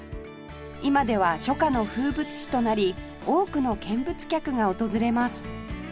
今では初夏の風物詩となり多くの見物客が訪れます